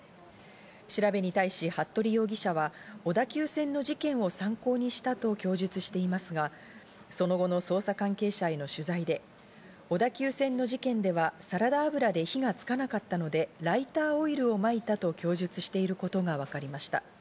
調べに対し服部容疑者は小田急線の事件を参考にしたと供述していますが、その後の捜査関係者への取材で、小田急線の事件ではサラダ油で火がつかなかったのでライターオイルをまいたと供述していることがわかりました。